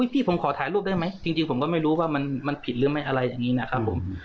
พี่ผมขอถ่ายรูปได้ไหมจริงผมก็ไม่รู้ว่ามันผิดหรือไม่อะไรอย่างนี้นะครับผม